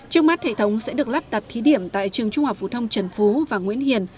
trước mắt hệ thống sẽ được lắp đặt thí điểm tại trường trung học phổ thông trần phú và nguyễn hiền